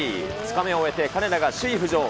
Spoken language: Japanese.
２日目を終えて金田が首位浮上。